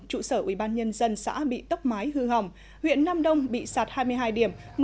trụ sở ủy ban nhân dân xã bị tóc mái hư hỏng huyện nam đông bị sạt hai mươi hai điểm